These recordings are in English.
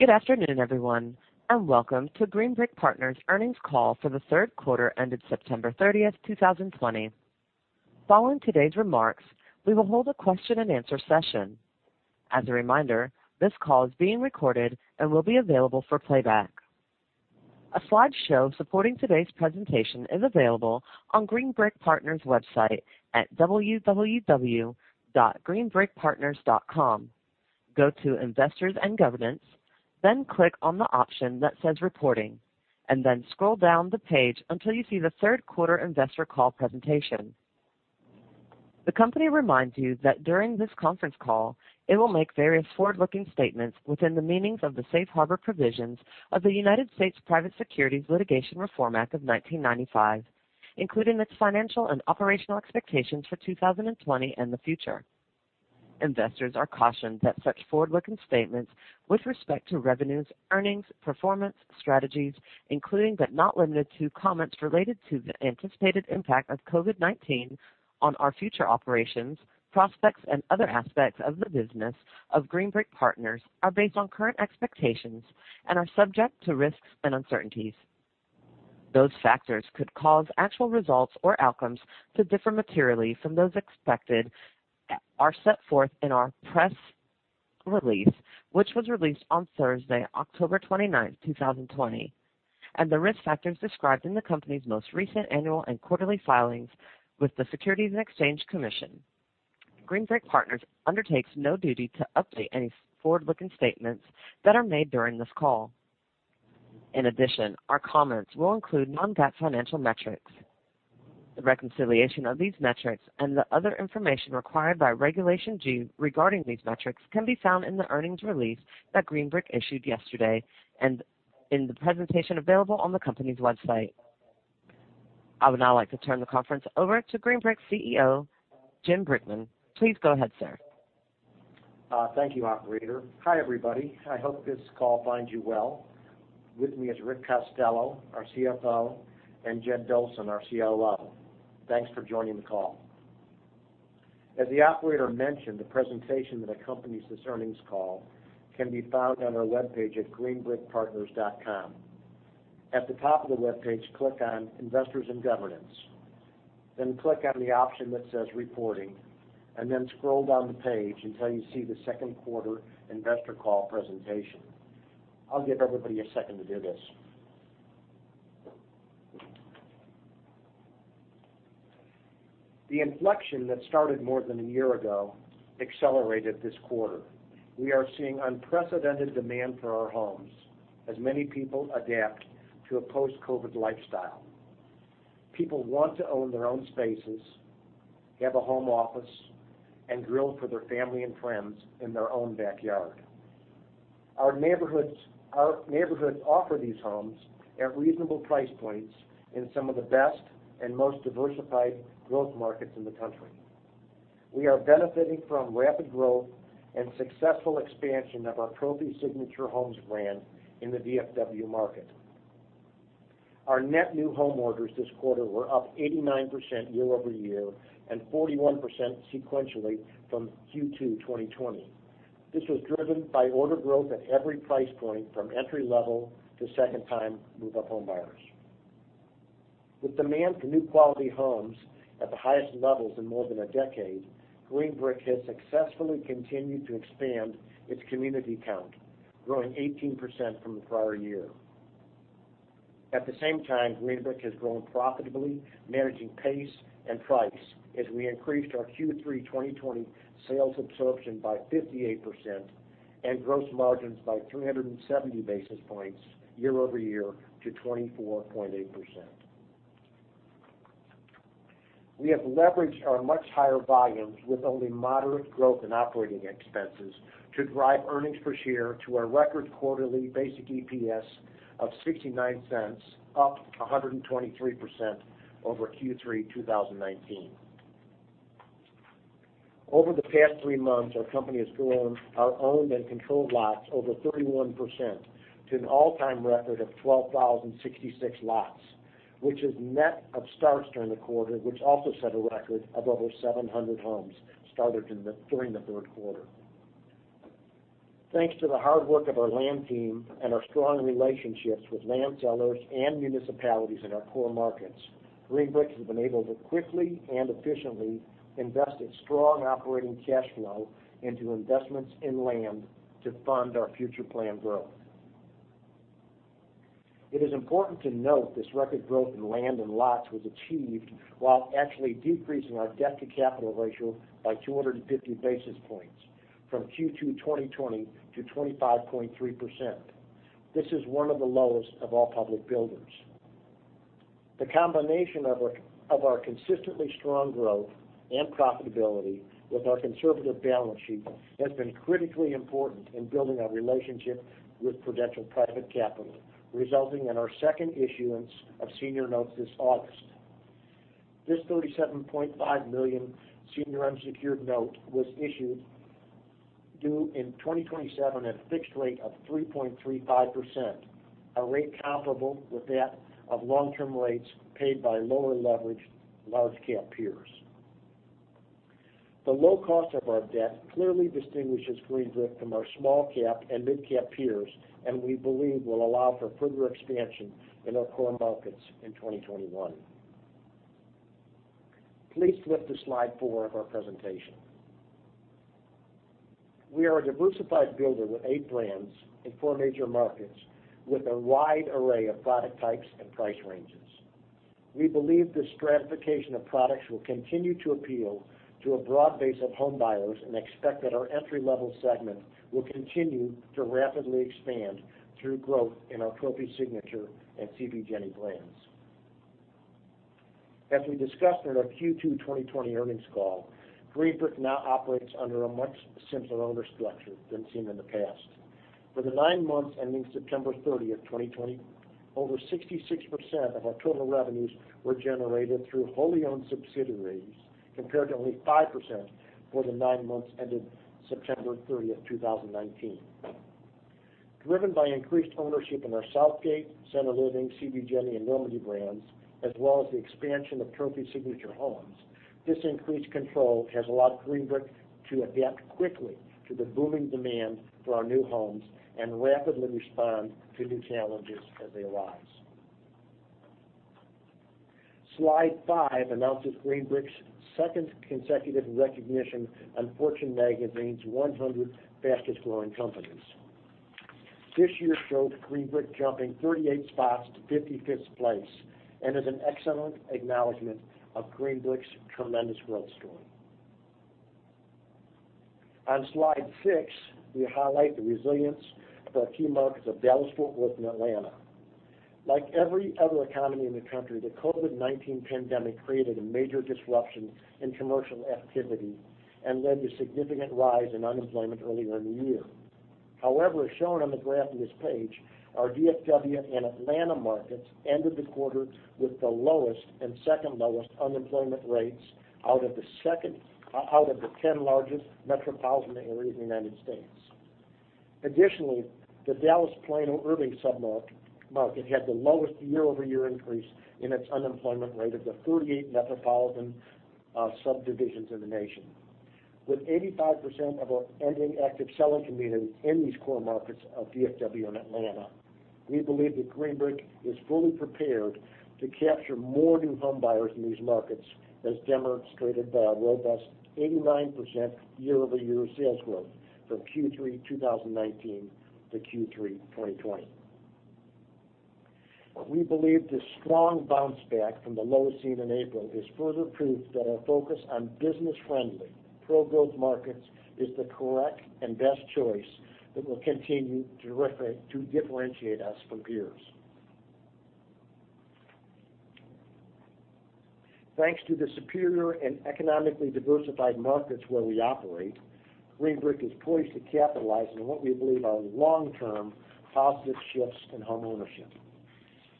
Good afternoon, everyone, and welcome to Green Brick Partners' earnings call for the third quarter ended September 30th, 2020. Following today's remarks, we will hold a question-and-answer session. As a reminder, this call is being recorded and will be available for playback. A slideshow supporting today's presentation is available on Green Brick Partners' website at www.greenbrickpartners.com. Go to Investors and Governance, then click on the option that says Reporting, and then scroll down the page until you see the third quarter investor call presentation. The company reminds you that during this conference call, it will make various forward-looking statements within the meanings of the safe harbor provisions of the United States Private Securities Litigation Reform Act of 1995, including its financial and operational expectations for 2020 and the future. Investors are cautioned that such forward-looking statements with respect to revenues, earnings, performance, strategies, including but not limited to comments related to the anticipated impact of COVID-19 on our future operations, prospects, and other aspects of the business of Green Brick Partners are based on current expectations and are subject to risks and uncertainties. Those factors could cause actual results or outcomes to differ materially from those expected are set forth in our press release, which was released on Thursday, October 29th, 2020, and the risk factors described in the company's most recent annual and quarterly filings with the Securities and Exchange Commission. Green Brick Partners undertakes no duty to update any forward-looking statements that are made during this call. In addition, our comments will include non-GAAP financial metrics. The reconciliation of these metrics and the other information required by Regulation G regarding these metrics can be found in the earnings release that Green Brick issued yesterday and in the presentation available on the company's website. I would now like to turn the conference over to Green Brick CEO, Jim Brickman. Please go ahead, sir. Thank you, Operator. Hi, everybody. I hope this call finds you well. With me is Rick Costello, our CFO, and Jed Dolson, our COO. Thanks for joining the call. As the operator mentioned, the presentation that accompanies this earnings call can be found on our web page at greenbrickpartners.com. At the top of the web page, click on Investors and Governance, then click on the option that says Reporting, and then scroll down the page until you see the second quarter investor call presentation. I'll give everybody a second to do this. The inflection that started more than a year ago accelerated this quarter. We are seeing unprecedented demand for our homes as many people adapt to a post-COVID lifestyle. People want to own their own spaces, have a home office, and grill for their family and friends in their own backyard. Our neighborhoods offer these homes at reasonable price points in some of the best and most diversified growth markets in the country. We are benefiting from rapid growth and successful expansion of our Trophy Signature Homes brand in the DFW market. Our net new home orders this quarter were up 89% year over year and 41% sequentially from Q2 2020. This was driven by order growth at every price point from entry level to second-time move-up home buyers. With demand for new quality homes at the highest levels in more than a decade, Green Brick has successfully continued to expand its community count, growing 18% from the prior year. At the same time, Green Brick has grown profitably, managing pace and price as we increased our Q3 2020 sales absorption by 58% and gross margins by 370 basis points year over year to 24.8%. We have leveraged our much higher volumes with only moderate growth in operating expenses to drive earnings per share to our record quarterly basic EPS of $0.69, up 123% over Q3 2019. Over the past three months, our company has grown our owned and controlled lots over 31% to an all-time record of 12,066 lots, which is net of starts during the quarter, which also set a record of over 700 homes started during the third quarter. Thanks to the hard work of our land team and our strong relationships with land sellers and municipalities in our core markets, Green Brick has been able to quickly and efficiently invest its strong operating cash flow into investments in land to fund our future planned growth. It is important to note this record growth in land and lots was achieved while actually decreasing our debt-to-capital ratio by 250 basis points from Q2 2020 to 25.3%. This is one of the lowest of all public builders. The combination of our consistently strong growth and profitability with our conservative balance sheet has been critically important in building our relationship with Prudential Private Capital, resulting in our second issuance of senior notes this August. This 37.5 million senior unsecured note was issued due in 2027 at a fixed rate of 3.35%, a rate comparable with that of long-term rates paid by lower leveraged large-cap peers. The low cost of our debt clearly distinguishes Green Brick from our small-cap and mid-cap peers, and we believe will allow for further expansion in our core markets in 2021. Please flip to slide four of our presentation. We are a diversified builder with eight brands in four major markets with a wide array of product types and price ranges. We believe this stratification of products will continue to appeal to a broad base of home buyers and expect that our entry-level segment will continue to rapidly expand through growth in our Profi Signature and CB Jenny brands. As we discussed in our Q2 2020 earnings call, Green Brick now operates under a much simpler owner structure than seen in the past. For the nine months ending September 30th, 2020, over 66% of our total revenues were generated through wholly owned subsidiaries compared to only 5% for the nine months ended September 30th, 2019. Driven by increased ownership in our Southgate, Center Living, CB Jenny, and Normandy brands, as well as the expansion of Profi Signature Homes, this increased control has allowed Green Brick to adapt quickly to the booming demand for our new homes and rapidly respond to new challenges as they arise. Slide five announces Green Brick's second consecutive recognition on Fortune Magazine's 100 fastest-growing companies. This year showed Green Brick jumping 38 spots to 55th place and is an excellent acknowledgment of Green Brick's tremendous growth story. On slide six, we highlight the resilience of our key markets of Dallas-Fort Worth and Atlanta. Like every other economy in the country, the COVID-19 pandemic created a major disruption in commercial activity and led to a significant rise in unemployment earlier in the year. However, as shown on the graph on this page, our DFW and Atlanta markets ended the quarter with the lowest and second lowest unemployment rates out of the 10 largest metropolitan areas in the United States. Additionally, the Dallas-Plano Urban submarket had the lowest year-over-year increase in its unemployment rate of the 38 metropolitan subdivisions in the nation. With 85% of our ending active selling community in these core markets of DFW and Atlanta, we believe that Green Brick is fully prepared to capture more new home buyers in these markets, as demonstrated by our robust 89% year-over-year sales growth from Q3 2019 to Q3 2020. We believe this strong bounce back from the lows seen in April is further proof that our focus on business-friendly, pro-growth markets is the correct and best choice that will continue to differentiate us from peers. Thanks to the superior and economically diversified markets where we operate, Green Brick is poised to capitalize on what we believe are long-term positive shifts in homeownership.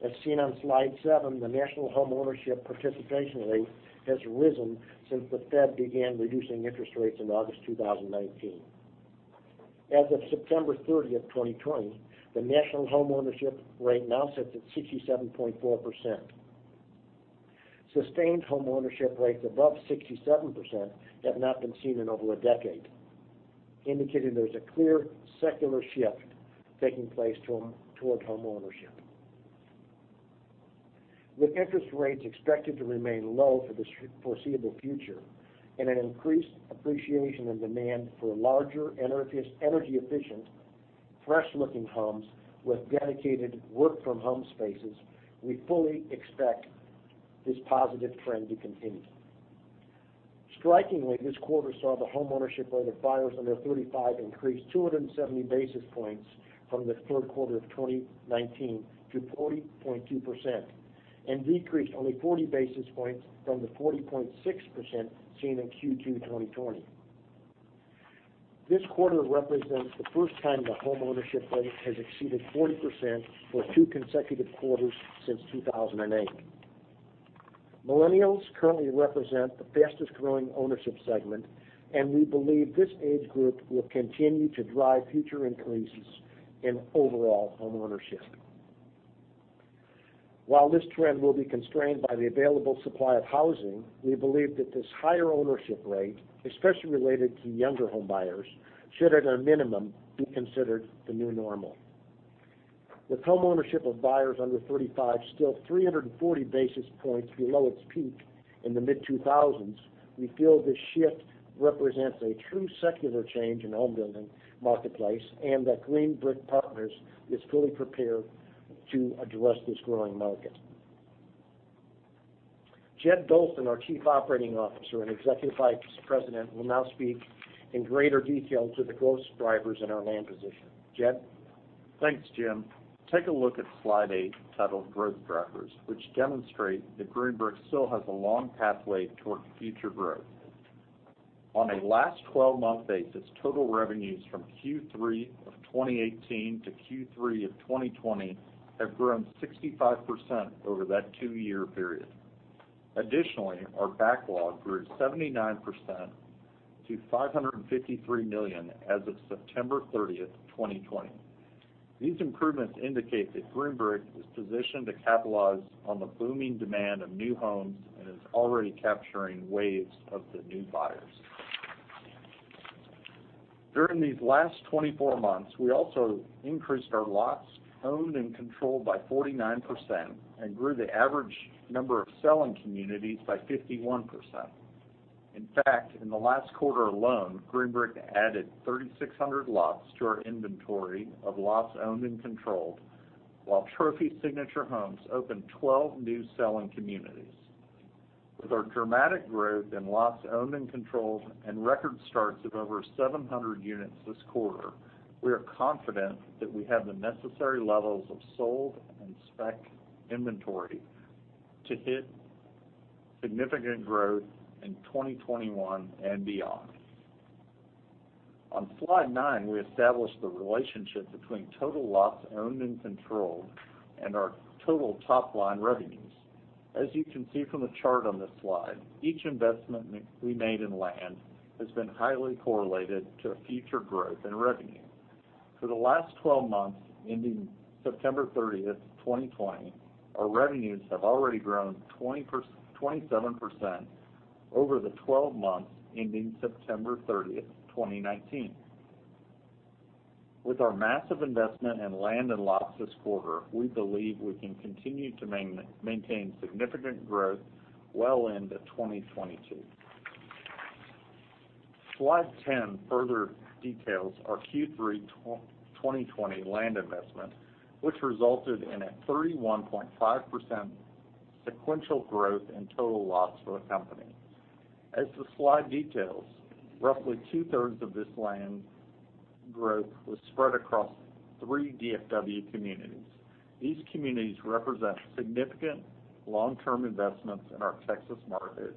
As seen on slide seven, the national homeownership participation rate has risen since the Fed began reducing interest rates in August 2019. As of September 30th, 2020, the national homeownership rate now sits at 67.4%. Sustained homeownership rates above 67% have not been seen in over a decade, indicating there's a clear secular shift taking place toward homeownership. With interest rates expected to remain low for the foreseeable future and an increased appreciation in demand for larger, energy-efficient, fresh-looking homes with dedicated work-from-home spaces, we fully expect this positive trend to continue. Strikingly, this quarter saw the homeownership rate of buyers under 35 increase 270 basis points from the third quarter of 2019 to 40.2% and decreased only 40 basis points from the 40.6% seen in Q2 2020. This quarter represents the first time that homeownership rate has exceeded 40% for two consecutive quarters since 2008. Millennials currently represent the fastest-growing ownership segment, and we believe this age group will continue to drive future increases in overall homeownership. While this trend will be constrained by the available supply of housing, we believe that this higher ownership rate, especially related to younger home buyers, should at a minimum be considered the new normal. With homeownership of buyers under 35 still 340 basis points below its peak in the mid-2000s, we feel this shift represents a true secular change in home building marketplace and that Green Brick Partners is fully prepared to address this growing market. Jed Dolson, our Chief Operating Officer and Executive Vice President, will now speak in greater detail to the growth drivers in our land position. Jed? Thanks, Jim. Take a look at slide eight titled Growth Drivers, which demonstrate that Green Brick still has a long pathway toward future growth. On a last 12-month basis, total revenues from Q3 of 2018 to Q3 of 2020 have grown 65% over that two-year period. Additionally, our backlog grew 79% to 553 million as of September 30th, 2020. These improvements indicate that Green Brick is positioned to capitalize on the booming demand of new homes and is already capturing waves of the new buyers. During these last 24 months, we also increased our lots owned and controlled by 49% and grew the average number of selling communities by 51%. In fact, in the last quarter alone, Green Brick added 3,600 lots to our inventory of lots owned and controlled, while Profi Signature Homes opened 12 new selling communities. With our dramatic growth in lots owned and controlled and record starts of over 700 units this quarter, we are confident that we have the necessary levels of sold and spec inventory to hit significant growth in 2021 and beyond. On slide nine, we established the relationship between total lots owned and controlled and our total top-line revenues. As you can see from the chart on this slide, each investment we made in land has been highly correlated to future growth and revenue. For the last 12 months ending September 30th, 2020, our revenues have already grown 27% over the 12 months ending September 30th, 2019. With our massive investment in land and lots this quarter, we believe we can continue to maintain significant growth well into 2022. Slide 10 further details our Q3 2020 land investment, which resulted in a 31.5% sequential growth in total lots for the company. As the slide details, roughly two-thirds of this land growth was spread across three DFW communities. These communities represent significant long-term investments in our Texas market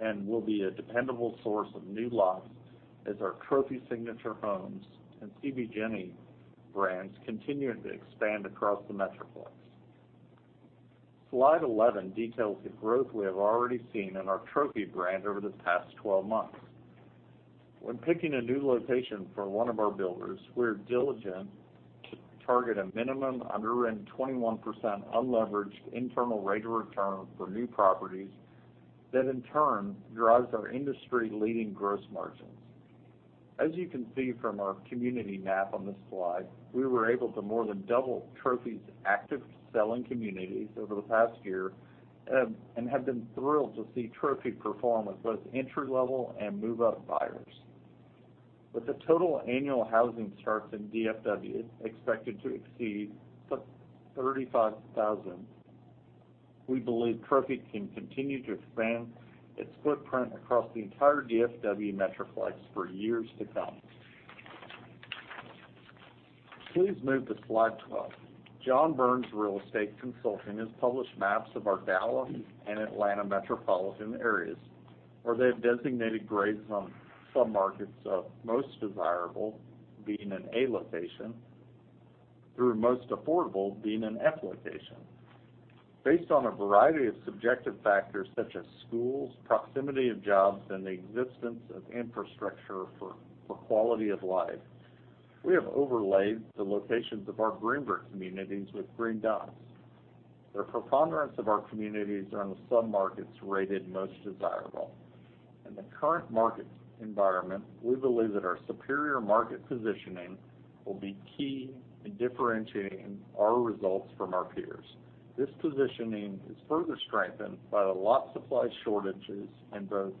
and will be a dependable source of new lots as our Profi Signature Homes and CB Jenny brands continue to expand across the Metroplex. Slide 11 details the growth we have already seen in our Profi brand over the past 12 months. When picking a new location for one of our builders, we are diligent to target a minimum underwritten 21% unleveraged internal rate of return for new properties that in turn drives our industry-leading gross margins. As you can see from our community map on this slide, we were able to more than double Profi's active selling communities over the past year and have been thrilled to see Profi perform with both entry-level and move-up buyers. With the total annual housing starts in DFW expected to exceed 35,000, we believe Profi can continue to expand its footprint across the entire DFW Metroplex for years to come. Please move to slide 12. John Byrnes Real Estate Consulting has published maps of our Dallas and Atlanta metropolitan areas, where they have designated grades on submarkets of most desirable being an A location through most affordable being an F location. Based on a variety of subjective factors such as schools, proximity of jobs, and the existence of infrastructure for quality of life, we have overlaid the locations of our Green Brick communities with green dots. Their preponderance of our communities are in the submarkets rated most desirable. In the current market environment, we believe that our superior market positioning will be key in differentiating our results from our peers. This positioning is further strengthened by the lot supply shortages in both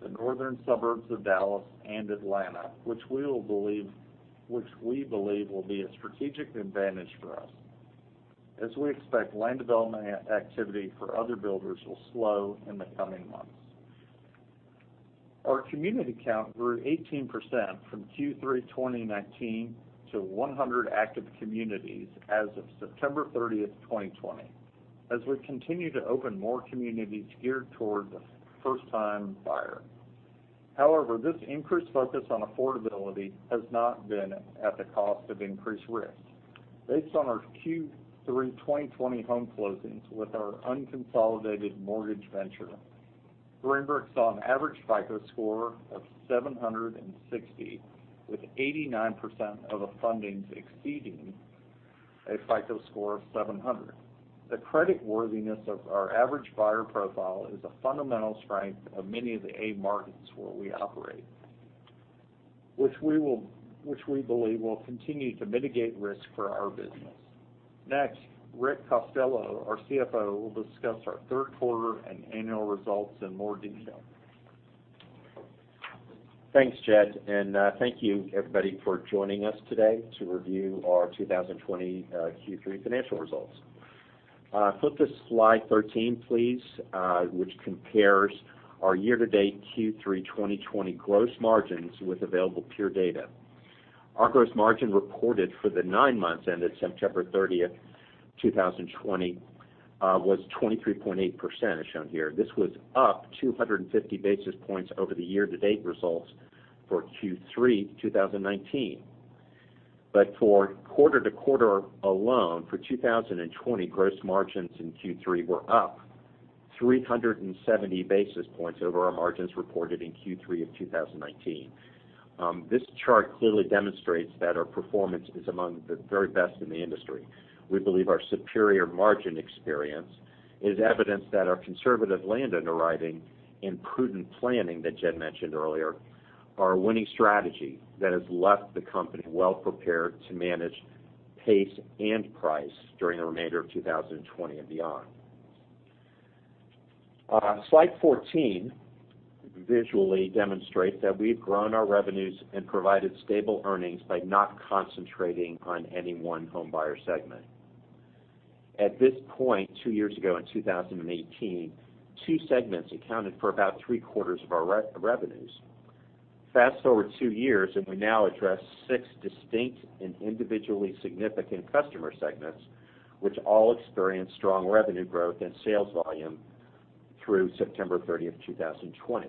the northern suburbs of Dallas and Atlanta, which we believe will be a strategic advantage for us, as we expect land development activity for other builders will slow in the coming months. Our community count grew 18% from Q3 2019 to 100 active communities as of September 30th, 2020, as we continue to open more communities geared toward the first-time buyer. However, this increased focus on affordability has not been at the cost of increased risk. Based on our Q3 2020 home closings with our unconsolidated mortgage venture, Green Brick saw an average FICO score of 760, with 89% of fundings exceeding a FICO score of 700. The creditworthiness of our average buyer profile is a fundamental strength of many of the A markets where we operate, which we believe will continue to mitigate risk for our business. Next, Rick Costello, our CFO, will discuss our third quarter and annual results in more detail. Thanks, Jed, and thank you, everybody, for joining us today to review our 2020 Q3 financial results. Flip to slide 13, please, which compares our year-to-date Q3 2020 gross margins with available peer data. Our gross margin reported for the nine months ended September 30th, 2020, was 23.8%, as shown here. This was up 250 basis points over the year-to-date results for Q3 2019. But for quarter-to-quarter alone, for 2020, gross margins in Q3 were up 370 basis points over our margins reported in Q3 of 2019. This chart clearly demonstrates that our performance is among the very best in the industry. We believe our superior margin experience is evidence that our conservative land underwriting and prudent planning that Jed mentioned earlier are a winning strategy that has left the company well-prepared to manage pace and price during the remainder of 2020 and beyond. Slide 14 visually demonstrates that we've grown our revenues and provided stable earnings by not concentrating on any one home buyer segment. At this point, two years ago in 2018, two segments accounted for about three-quarters of our revenues. Fast forward two years, and we now address six distinct and individually significant customer segments, which all experienced strong revenue growth and sales volume through September 30th, 2020.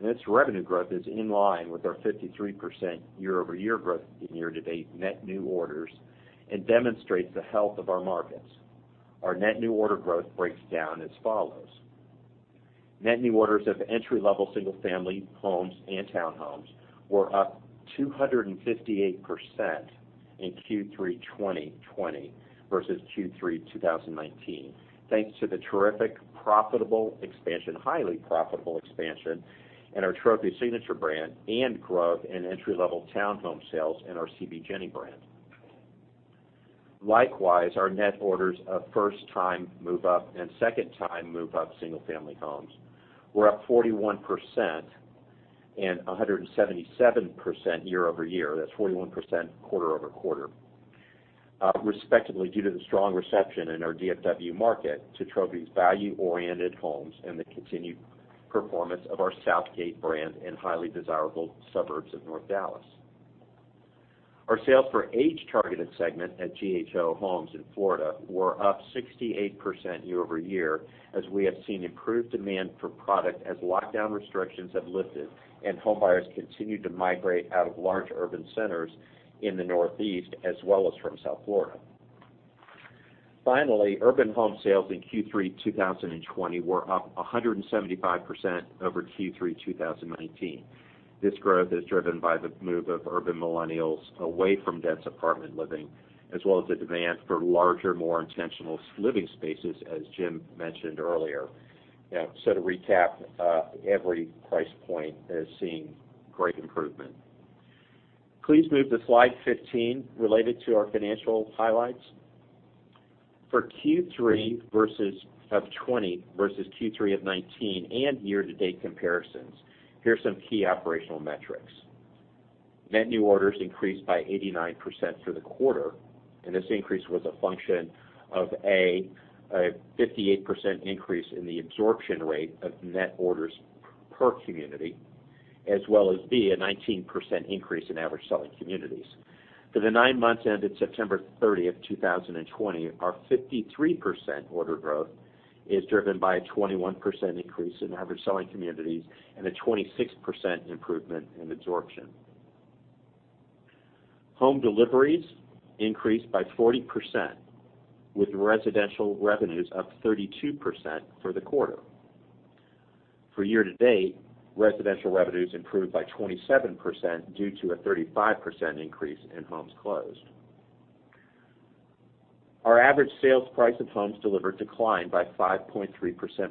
And this revenue growth is in line with our 53% year-over-year growth in year-to-date net new orders and demonstrates the health of our markets. Our net new order growth breaks down as follows. Net new orders of entry-level single-family homes and townhomes were up 258% in Q3 2020 versus Q3 2019, thanks to the terrific profitable expansion, highly profitable expansion, and our Profi Signature Brand and growth in entry-level townhome sales and our CB Jenny brand. Likewise, our net orders of first-time move-up and second-time move-up single-family homes were up 41% and 177% year-over-year. That's 41% quarter-over-quarter, respectively, due to the strong reception in our DFW market to Profi's value-oriented homes and the continued performance of our Southgate brand in highly desirable suburbs of North Dallas. Our sales for age-targeted segment at GHO Homes in Florida were up 68% year-over-year, as we have seen improved demand for product as lockdown restrictions have lifted and home buyers continue to migrate out of large urban centers in the Northeast as well as from South Florida. Finally, urban home sales in Q3 2020 were up 175% over Q3 2019. This growth is driven by the move of urban millennials away from dense apartment living, as well as the demand for larger, more intentional living spaces, as Jim mentioned earlier. So to recap, every price point is seeing great improvement. Please move to slide 15 related to our financial highlights. For Q3 versus of '20 versus Q3 of '19 and year-to-date comparisons, here are some key operational metrics. Net new orders increased by 89% for the quarter, and this increase was a function of, A, a 58% increase in the absorption rate of net orders per community, as well as, B, a 19% increase in average selling communities. For the nine months ended September 30th, 2020, our 53% order growth is driven by a 21% increase in average selling communities and a 26% improvement in absorption. Home deliveries increased by 40%, with residential revenues up 32% for the quarter. For year-to-date, residential revenues improved by 27% due to a 35% increase in homes closed. Our average sales price of homes delivered declined by 5.3%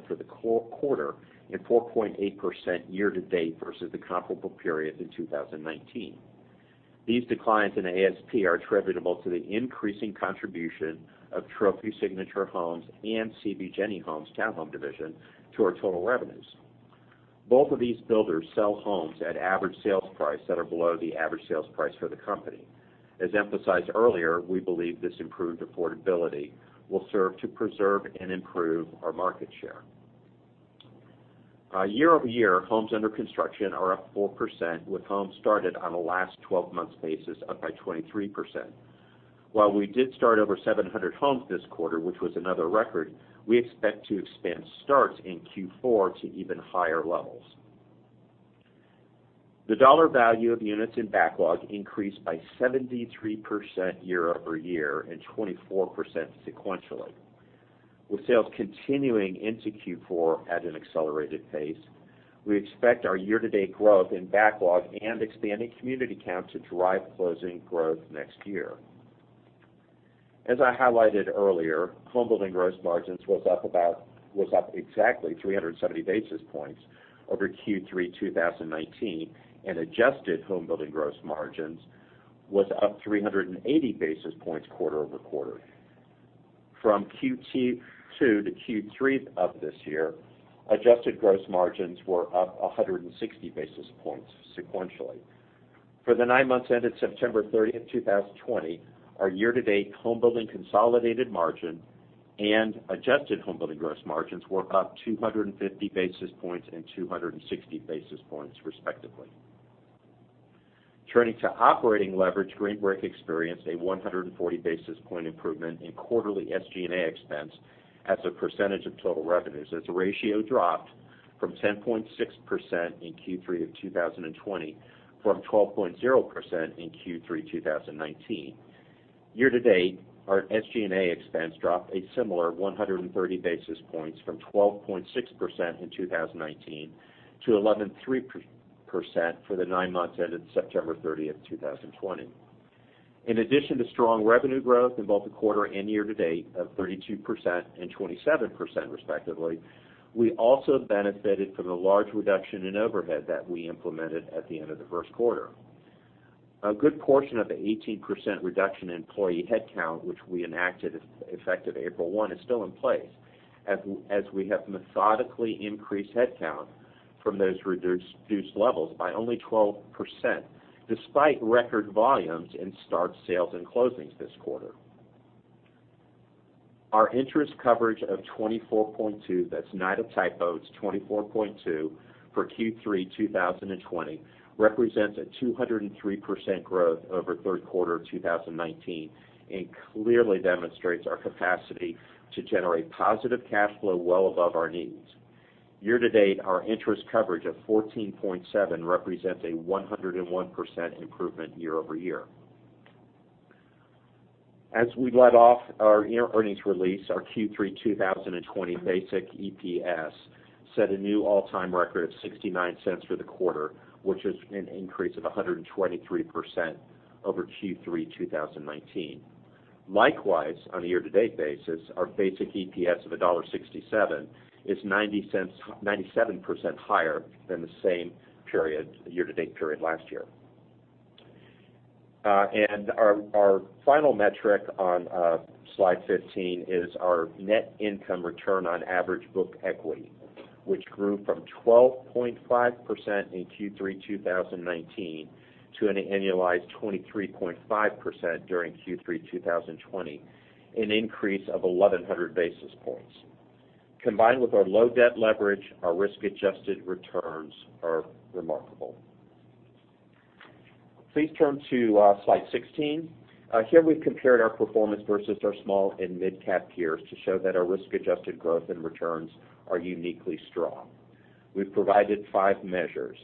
for the quarter and 4.8% year-to-date versus the comparable period in 2019. These declines in ASP are attributable to the increasing contribution of Profi Signature Homes and CB Jenny Homes townhome division to our total revenues. Both of these builders sell homes at average sales price that are below the average sales price for the company. As emphasized earlier, we believe this improved affordability will serve to preserve and improve our market share. Year-over-year, homes under construction are up 4%, with homes started on a last 12-month basis up by 23%. While we did start over 700 homes this quarter, which was another record, we expect to expand starts in Q4 to even higher levels. The dollar value of units in backlog increased by 73% year-over-year and 24% sequentially. With sales continuing into Q4 at an accelerated pace, we expect our year-to-date growth in backlog and expanding community count to drive closing growth next year. As I highlighted earlier, home building gross margins was up about was up exactly 370 basis points over Q3 2019, and adjusted home building gross margins was up 380 basis points quarter-over-quarter. From Q2 to Q3 of this year, adjusted gross margins were up 160 basis points sequentially. For the nine months ended September 30th, 2020, our year-to-date home building consolidated margin and adjusted home building gross margins were up 250 basis points and 260 basis points, respectively. Turning to operating leverage, Green Brick experienced a 140 basis point improvement in quarterly SG&A expense as a percentage of total revenues, as the ratio dropped from 10.6% in Q3 of 2020 from 12.0% in Q3 2019. Year-to-date, our SG&A expense dropped a similar 130 basis points from 12.6% in 2019 to 11.3% for the nine months ended September 30th, 2020. In addition to strong revenue growth in both the quarter and year-to-date of 32% and 27%, respectively, we also benefited from the large reduction in overhead that we implemented at the end of the first quarter. A good portion of the 18% reduction in employee headcount, which we enacted effective April 1, is still in place, as we have methodically increased headcount from those reduced levels by only 12%, despite record volumes in start sales and closings this quarter. Our interest coverage of 24.2—that's not a typo, it's 24.2—for Q3 2020 represents a 203% growth over third quarter of 2019 and clearly demonstrates our capacity to generate positive cash flow well above our needs. Year-to-date, our interest coverage of 14.7 represents a 101% improvement year-over-year. As we let off our earnings release, our Q3 2020 basic EPS set a new all-time record of 69 cents for the quarter, which is an increase of 123% over Q3 2019. Likewise, on a year-to-date basis, our basic EPS of $1.67 is 97% higher than the same year-to-date period last year. And our final metric on slide 15 is our net income return on average book equity, which grew from 12.5% in Q3 2019 to an annualized 23.5% during Q3 2020, an increase of 1,100 basis points. Combined with our low debt leverage, our risk-adjusted returns are remarkable. Please turn to slide 16. Here, we've compared our performance versus our small and mid-cap peers to show that our risk-adjusted growth and returns are uniquely strong. We've provided five measures.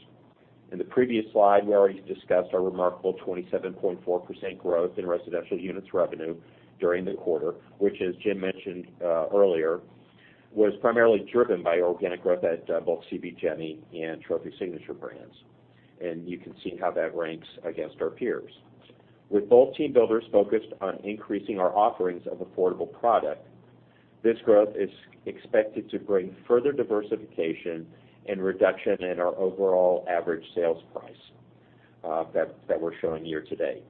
In the previous slide, we already discussed our remarkable 27.4% growth in residential units revenue during the quarter, which, as Jim mentioned earlier, was primarily driven by organic growth at both CB Jenny and Profi Signature Brands. And you can see how that ranks against our peers. With both team builders focused on increasing our offerings of affordable product, this growth is expected to bring further diversification and reduction in our overall average sales price that we're showing year-to-date.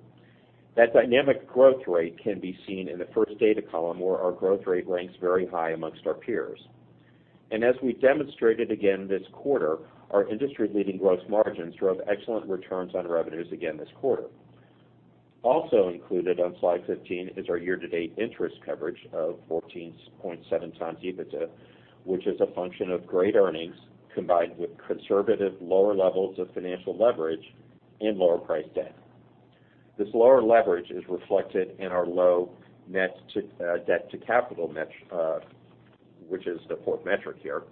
That dynamic growth rate can be seen in the first data column, where our growth rate ranks very high amongst our peers. And as we demonstrated again this quarter, our industry-leading gross margins drove excellent returns on revenues again this quarter. Also included on slide 15 is our year-to-date interest coverage of 14.7 times EBITDA, which is a function of great earnings combined with conservative lower levels of financial leverage and lower price debt. This lower leverage is reflected in our low net debt to capital, which is the fourth metric here,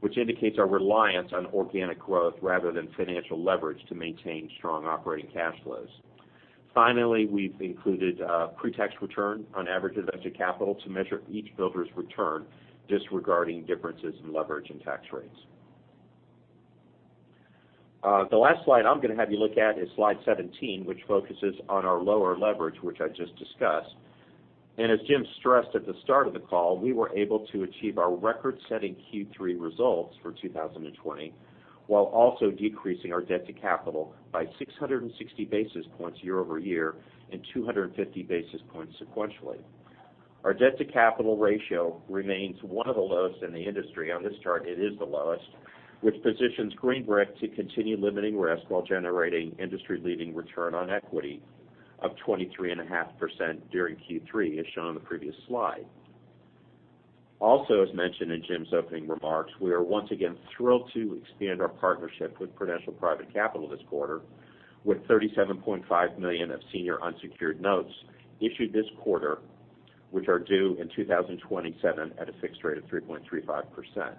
which indicates our reliance on organic growth rather than financial leverage to maintain strong operating cash flows. Finally, we've included pretax return on average invested capital to measure each builder's return, disregarding differences in leverage and tax rates. The last slide I'm going to have you look at is slide 17, which focuses on our lower leverage, which I just discussed. And as Jim stressed at the start of the call, we were able to achieve our record-setting Q3 results for 2020 while also decreasing our debt to capital by 660 basis points year-over-year and 250 basis points sequentially. Our debt to capital ratio remains one of the lowest in the industry. On this chart, it is the lowest, which positions Green Brick to continue limiting risk while generating industry-leading return on equity of 23.5% during Q3, as shown on the previous slide. Also, as mentioned in Jim's opening remarks, we are once again thrilled to expand our partnership with Prudential Private Capital this quarter, with 37.5 million of senior unsecured notes issued this quarter, which are due in 2027 at a fixed rate of 3.35%.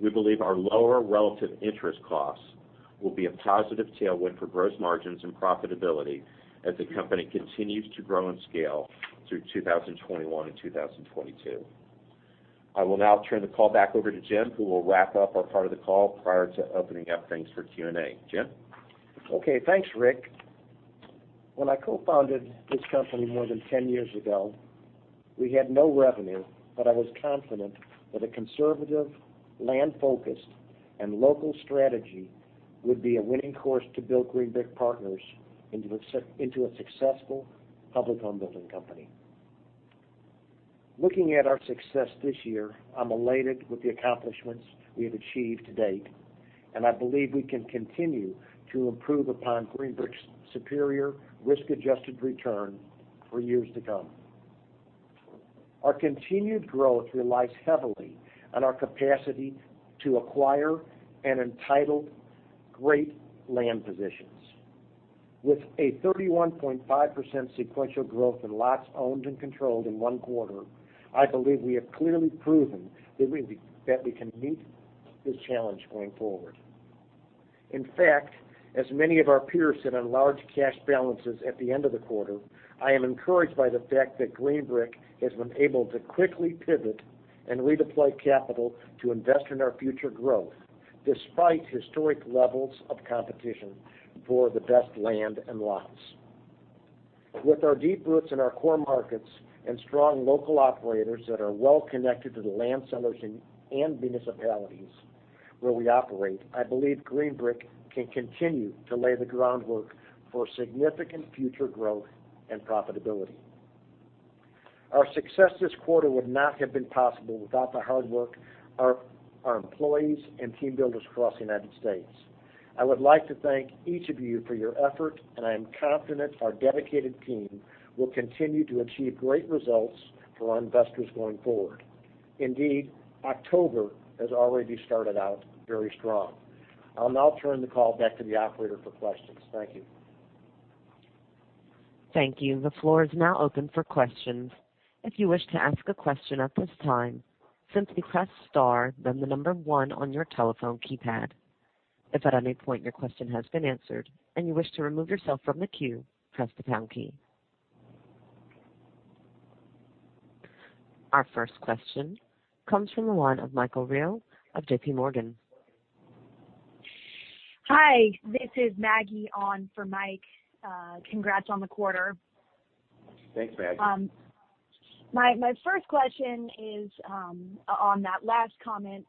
We believe our lower relative interest costs will be a positive tailwind for gross margins and profitability as the company continues to grow in scale through 2021 and 2022. I will now turn the call back over to Jim, who will wrap up our part of the call prior to opening up things for Q&A. Jim? Okay. Thanks, Rick. When I co-founded this company more than 10 years ago, we had no revenue, but I was confident that a conservative, land-focused, and local strategy would be a winning course to build Green Brick Partners into a successful public home building company. Looking at our success this year, I'm elated with the accomplishments we have achieved to date, and I believe we can continue to improve upon Green Brick's superior risk-adjusted return for years to come. Our continued growth relies heavily on our capacity to acquire and entitle great land positions. With a 31.5% sequential growth in lots owned and controlled in one quarter, I believe we have clearly proven that we can meet this challenge going forward. In fact, as many of our peers sit on large cash balances at the end of the quarter, I am encouraged by the fact that Green Brick has been able to quickly pivot and redeploy capital to invest in our future growth, despite historic levels of competition for the best land and lots. With our deep roots in our core markets and strong local operators that are well connected to the land sellers and municipalities where we operate, I believe Green Brick can continue to lay the groundwork for significant future growth and profitability. Our success this quarter would not have been possible without the hard work of our employees and team builders across the United States. I would like to thank each of you for your effort, and I am confident our dedicated team will continue to achieve great results for our investors going forward. Indeed, October has already started out very strong. I'll now turn the call back to the operator for questions. Thank you. Thank you. The floor is now open for questions. If you wish to ask a question at this time, simply press star, then the number one on your telephone keypad. If at any point your question has been answered and you wish to remove yourself from the queue, press the pound key. Our first question comes from the line of Michael Real of JP Morgan. Hi. This is Maggie on for Mike. Congrats on the quarter. Thanks, Maggie. My first question is on that last comment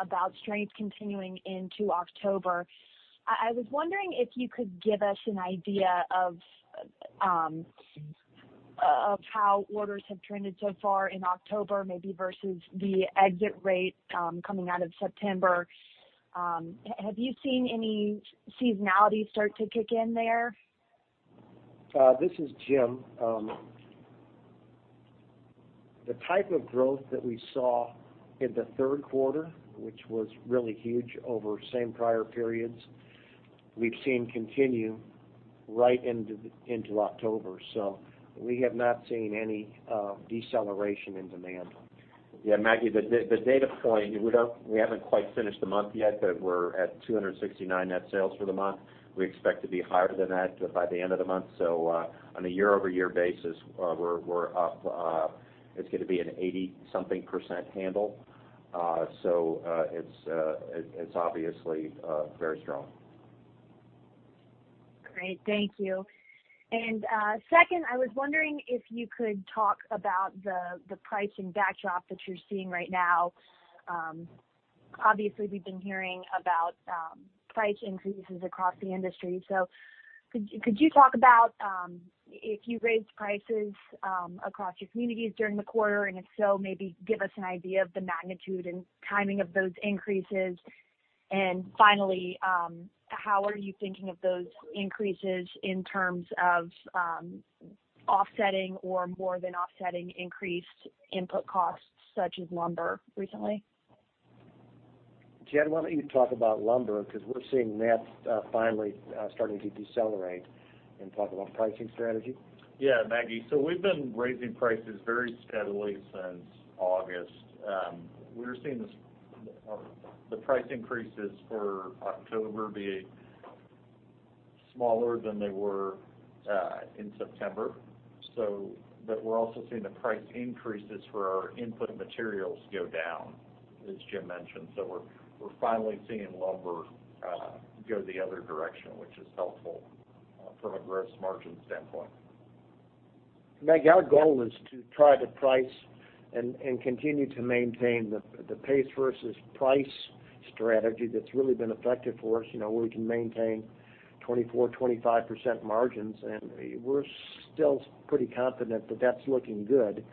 about strength continuing into October. I was wondering if you could give us an idea of how orders have trended so far in October, maybe versus the exit rate coming out of September. Have you seen any seasonality start to kick in there? This is Jim. The type of growth that we saw in the third quarter, which was really huge over same prior periods, we've seen continue right into October. So we have not seen any deceleration in demand. Yeah, Maggie, the data point, we haven't quite finished the month yet, but we're at 269 net sales for the month. We expect to be higher than that by the end of the month. So on a year-over-year basis, we're up. It's going to be an 80-something percent handle. So it's obviously very strong. Great. Thank you. And second, I was wondering if you could talk about the pricing backdrop that you're seeing right now. Obviously, we've been hearing about price increases across the industry. So could you talk about if you raised prices across your communities during the quarter? And if so, maybe give us an idea of the magnitude and timing of those increases. And finally, how are you thinking of those increases in terms of offsetting or more than offsetting increased input costs, such as lumber recently? Jed, why don't you talk about lumber because we're seeing that finally starting to decelerate and talk about pricing strategy? Yeah, Maggie. So we've been raising prices very steadily since August. We're seeing the price increases for October be smaller than they were in September. But we're also seeing the price increases for our input materials go down, as Jim mentioned. So we're finally seeing lumber go the other direction, which is helpful from a gross margin standpoint. Maggie, our goal is to try to price and continue to maintain the pace versus price strategy that's really been effective for us, where we can maintain 24, 25 percent margins. And we're still pretty confident that that's looking good.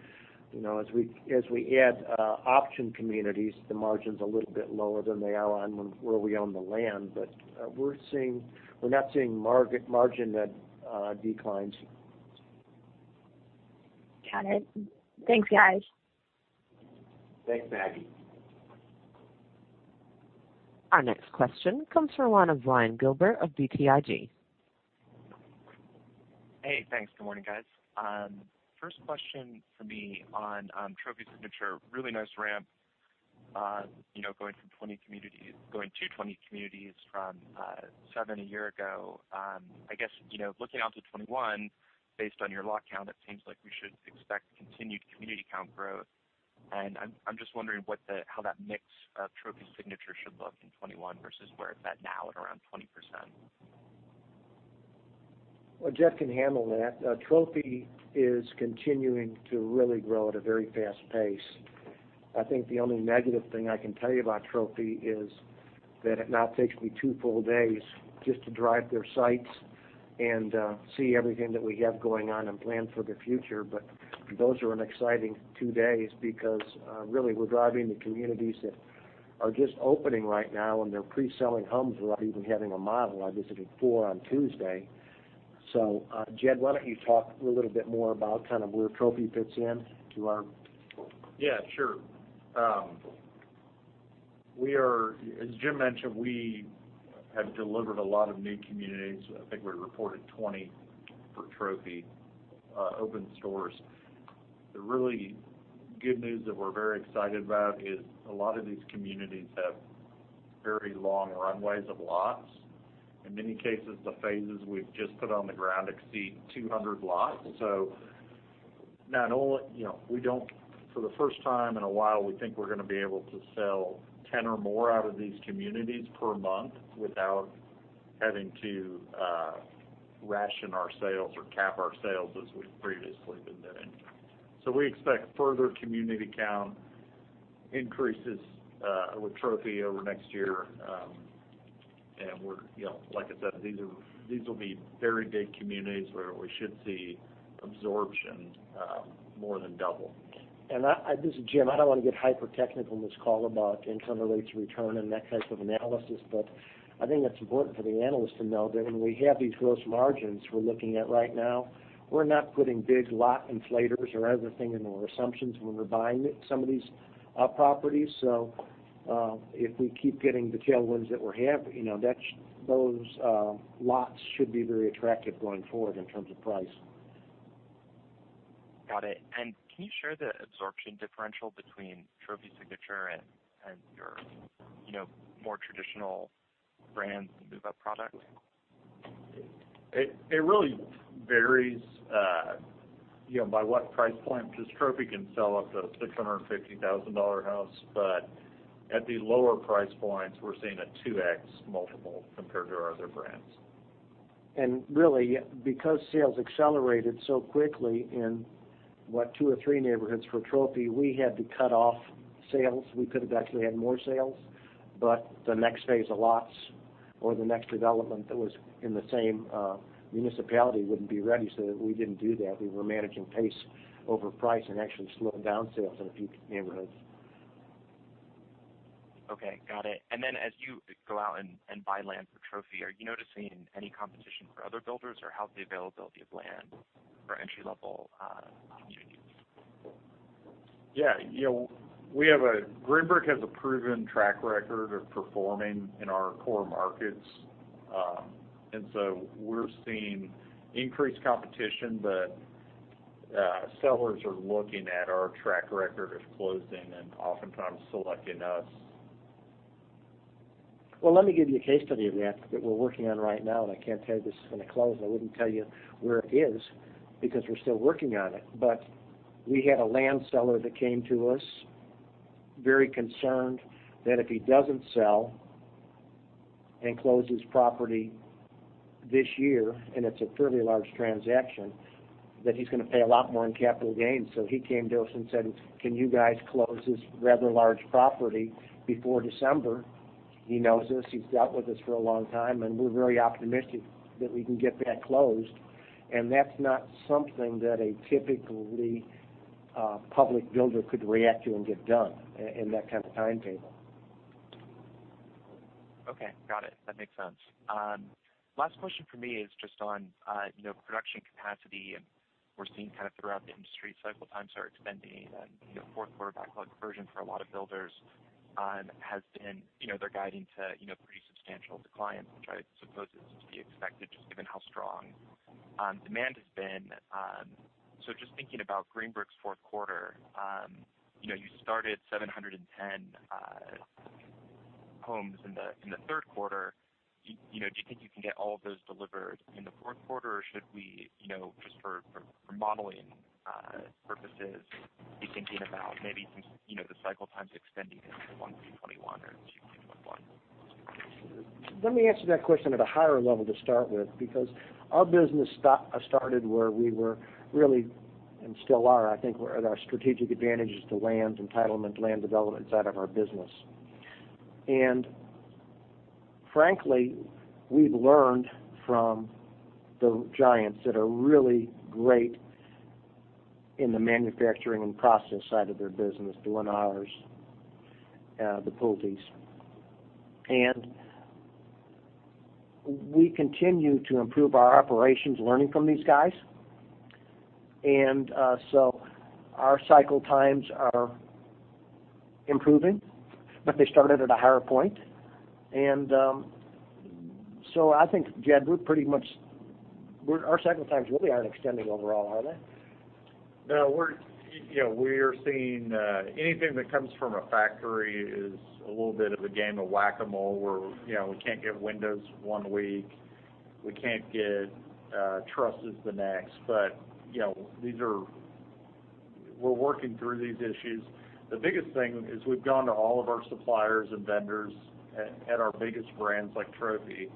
As we add option communities, the margin's a little bit lower than they are where we own the land. But we're not seeing margin declines. Got it. Thanks, guys. Thanks, Maggie. Our next question comes from the line of Ryan Gilbert of BTIG. Hey, thanks. Good morning, guys. First question for me on Profi Signature, really nice ramp going to 20 communities from 7 a year ago. I guess looking out to 2021, based on your lot count, it seems like we should expect continued community count growth. And I'm just wondering how that mix of Profi Signature should look in 2021 versus where it's at now at around 20%. Well, Jeb can handle that. Trophy is continuing to really grow at a very fast pace. I think the only negative thing I can tell you about Trophy is that it now takes me two full days just to drive their sites and see everything that we have going on and plan for the future. But those are an exciting two days because, really, we're driving the communities that are just opening right now, and they're pre-selling homes without even having a model. I visited four on Tuesday. So, Jed, why don't you talk a little bit more about kind of where Trophy fits into our? Yeah, sure. As Jim mentioned, we have delivered a lot of new communities. I think we reported 20 for Trophy open stores. The really good news that we're very excited about is a lot of these communities have very long runways of lots. In many cases, the phases we've just put on the ground exceed 200 lots. So now, we don't, for the first time in a while, think we're going to be able to sell 10 or more out of these communities per month without having to ration our sales or cap our sales as we've previously been doing. So we expect further community count increases with Trophy over next year. And like I said, these will be very big communities where we should see absorption more than double. And this is Jim. I don't want to get hyper-technical in this call about income-related return and that type of analysis. But I think it's important for the analyst to know that when we have these gross margins we're looking at right now, we're not putting big lot inflators or other things into our assumptions when we're buying some of these properties. So if we keep getting the tailwinds that we're having, those lots should be very attractive going forward in terms of price. Got it. And can you share the absorption differential between Trophy Signature and your more traditional brands and move-up products? It really varies by what price point, because Trophy can sell up to a $650,000 house. But at the lower price points, we're seeing a 2x multiple compared to our other brands. And really, because sales accelerated so quickly in, what, two or three neighborhoods for Trophy, we had to cut off sales. We could have actually had more sales. But the next phase of lots or the next development that was in the same municipality wouldn't be ready. So we didn't do that. We were managing pace over price and actually slowed down sales in a few neighborhoods. Okay. Got it. And then as you go out and buy land for Trophy, are you noticing any competition for other builders or healthy availability of land for entry-level communities? Yeah. Green Brick has a proven track record of performing in our core markets. And so we're seeing increased competition, but sellers are looking at our track record of closing and oftentimes selecting us. Well, let me give you a case study of that that we're working on right now. And I can't tell you this is going to close. I wouldn't tell you where it is because we're still working on it. But we had a land seller that came to us very concerned that if he doesn't sell and close his property this year, and it's a fairly large transaction, that he's going to pay a lot more in capital gains. So he came to us and said, "Can you guys close this rather large property before December?" He knows us. He's dealt with us for a long time. And we're very optimistic that we can get that closed. And that's not something that a typically public builder could react to and get done in that kind of timetable. Okay. Got it. That makes sense. Last question for me is just on production capacity. And we're seeing kind of throughout the industry cycle times are extending. And fourth quarter backlog conversion for a lot of builders has been they're guiding to pretty substantial decline, which I suppose is to be expected just given how strong demand has been. So just thinking about Green Brick's fourth quarter, you started 710 homes in the third quarter. Do you think you can get all of those delivered in the fourth quarter, or should we, just for modeling purposes, be thinking about maybe the cycle times extending into 1, 2, 21, or 2, 2, 21? Let me answer that question at a higher level to start with because our business started where we were really and still are. I think our strategic advantage is the land entitlement, land development side of our business. And frankly, we've learned from the giants that are really great in the manufacturing and process side of their business, the Lennars, the Pulte's. And we continue to improve our operations learning from these guys. And so our cycle times are improving, but they started at a higher point. And so I think, Jed, we're pretty much our cycle times really aren't extending overall, are they? No, we are seeing anything that comes from a factory is a little bit of a game of whack-a-mole. We can't get windows one week. We can't get trusses the next. But we're working through these issues. The biggest thing is we've gone to all of our suppliers and vendors at our biggest brands like Trophy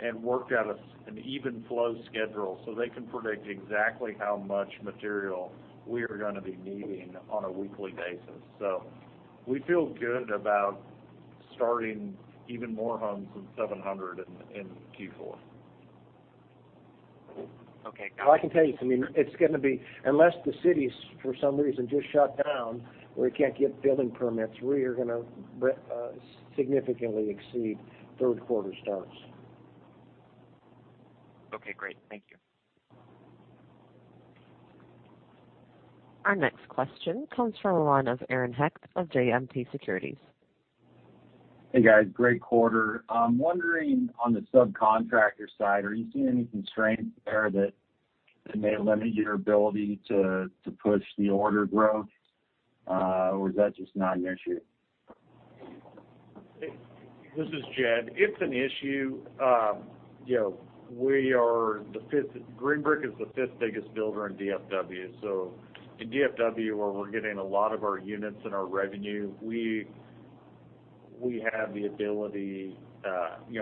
and worked out an even flow schedule so they can predict exactly how much material we are going to be needing on a weekly basis. So we feel good about starting even more homes than 700 in Q4. Okay. Got it. Well, I can tell you. I mean, it's going to be unless the city for some reason just shut down or we can't get building permits, we are going to significantly exceed third quarter starts. Okay. Great. Thank you. Our next question comes from the line of Aaron Hecht of JMP Securities. Hey, guys. Great quarter. I'm wondering on the subcontractor side, are you seeing any constraints there that may limit your ability to push the order growth, or is that just not an issue? This is Jed. It's an issue. We are the fifth Green Brick is the fifth biggest builder in DFW. So in DFW, where we're getting a lot of our units and our revenue, we have the ability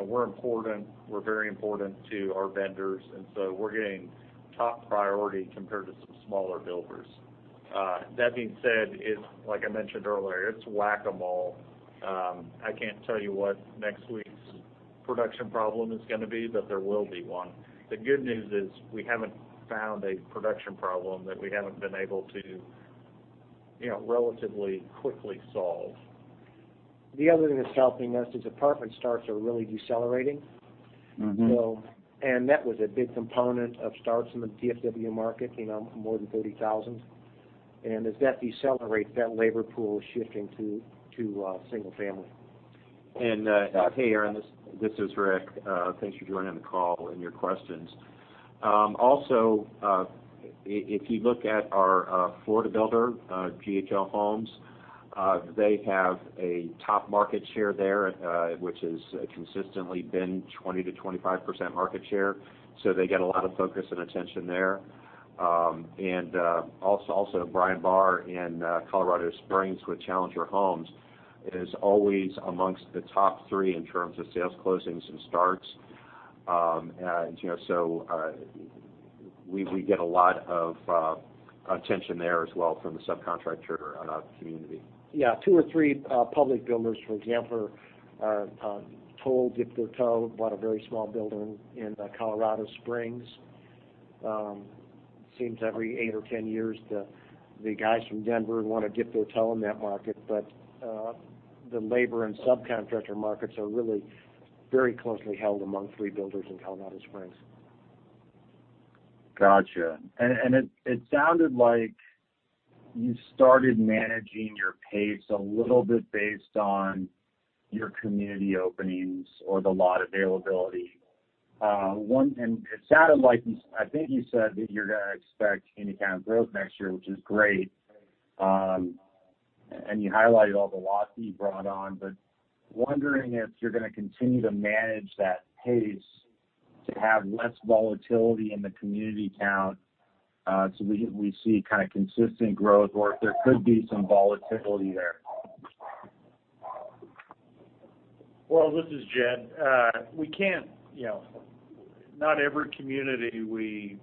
we're important. We're very important to our vendors. And so we're getting top priority compared to some smaller builders. That being said, like I mentioned earlier, it's whack-a-mole. I can't tell you what next week's production problem is going to be, but there will be one. The good news is we haven't found a production problem that we haven't been able to relatively quickly solve. The other thing that's helping us is apartment starts are really decelerating. And that was a big component of starts in the DFW market, more than 30,000. And as that decelerates, that labor pool is shifting to single-family. And hey, Aaron, this is Rick. Thanks for joining the call and your questions. Also, if you look at our Florida builder, GHO Homes, they have a top market share there, which has consistently been 20 to 25 percent market share. So they get a lot of focus and attention there. And also, Brian Barr in Colorado Springs with Challenger Homes is always amongst the top three in terms of sales closings and starts. So we get a lot of attention there as well from the subcontractor community. Yeah. Two or three public builders, for example, are told dip their toe. Bought a very small builder in Colorado Springs. Seems every 8 or 10 years, the guys from Denver want to dip their toe in that market. But the labor and subcontractor markets are really very closely held among three builders in Colorado Springs. Gotcha. And it sounded like you started managing your pace a little bit based on your community openings or the lot availability. And it sounded like you I think you said that you're going to expect any kind of growth next year, which is great. And you highlighted all the lots that you brought on. But wondering if you're going to continue to manage that pace to have less volatility in the community count so we see kind of consistent growth, or if there could be some volatility there. Well, this is Jed. Not every community we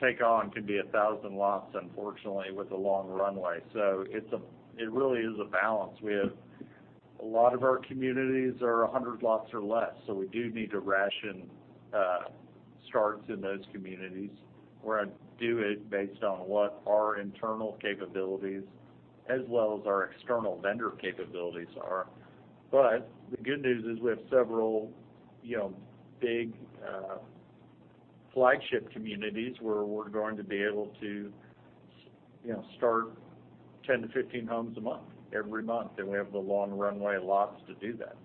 take on can be 1,000 lots, unfortunately, with a long runway. So it really is a balance. A lot of our communities are 100 lots or less. So we do need to ration starts in those communities. We're going to do it based on what our internal capabilities as well as our external vendor capabilities are. But the good news is we have several big flagship communities where we're going to be able to start 10 to 15 homes a month every month. And we have the long runway lots to do that.